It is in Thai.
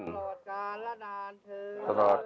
สลอดการณ์และนานเถิง